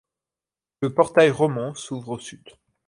Le portail roman s’ouvre au sud.